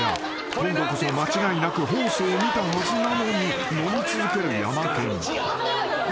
今度こそ間違いなくホースを見たはずなのに飲み続けるヤマケン］